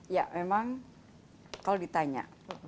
ya memang kalau ditanya